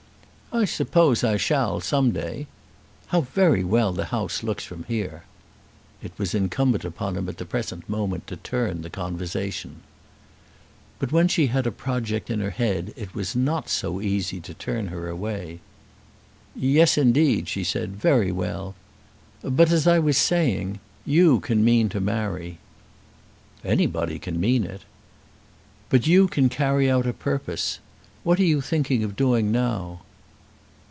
"I suppose I shall, some day. How very well the house looks from here." It was incumbent upon him at the present moment to turn the conversation. But when she had a project in her head it was not so easy to turn her away. "Yes, indeed," she said, "very well. But as I was saying, you can mean to marry." "Anybody can mean it." "But you can carry out a purpose. What are you thinking of doing now?"